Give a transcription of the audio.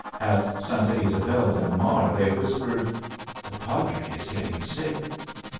At Santa Ysabel del Mar they whispered, "The padre is getting sick."